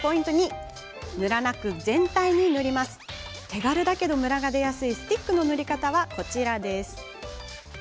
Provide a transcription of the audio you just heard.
手軽だけどムラが出やすいスティックの塗り方がこちらです。